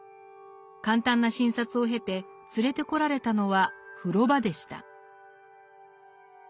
簡単な診察を経て連れてこられたのは風呂場でした。